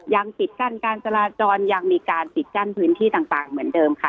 ยังปิดกั้นการจราจรยังมีการปิดกั้นพื้นที่ต่างเหมือนเดิมค่ะ